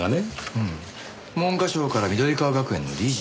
うん文科省から緑川学園の理事？